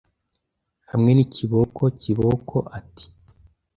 Hamwe n'ikiboko kiboko ati